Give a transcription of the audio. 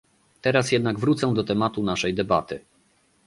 Teraz jednak wrócę do tematu naszej debaty